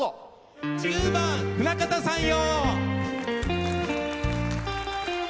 １０番「船方さんよ」。